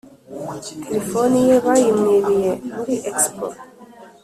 telefoni ye bayi mwibiye muri expo